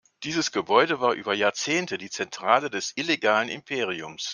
Dieses Gebäude war über Jahrzehnte die Zentrale des illegalen Imperiums.